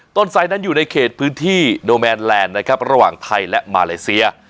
ไซด์นั้นอยู่ในเขตพื้นที่โนแมนแลนด์นะครับระหว่างไทยและมาเลเซีย